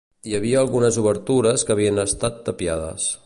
Hi havia algunes obertures que havien estat tapiades.